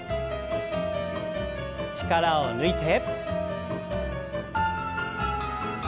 力を抜いて。